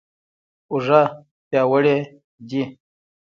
اوږه پیاوړې دي.